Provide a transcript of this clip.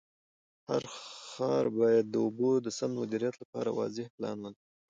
هر ښار باید د اوبو د سم مدیریت لپاره واضح پلان ولري.